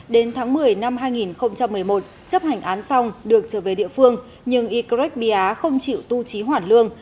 đến tháng một mươi năm hai nghìn một mươi một chấp hành án xong được trở về địa phương nhưng y greg bia không chịu tu trí hoản lương